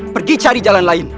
pergi cari jalan lain